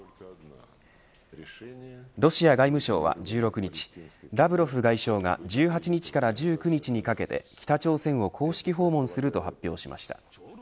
ロシア外務省は１６日ラブロフ外相が１８日から１９日にかけて北朝鮮を公式訪問すると発表しました。